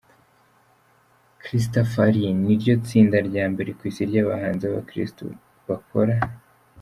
Christafari, ni ryo tsinda rya mbere ku isi ry'abahanzi b'abakristo bakora